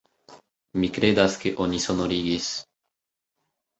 Mi kredas ke oni sonorigis.